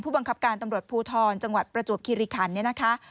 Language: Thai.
บังคับการตำรวจภูทรจังหวัดประจวบคิริคันเนี่ยนะคะ